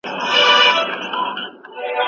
د انارکلي اوښکو ته!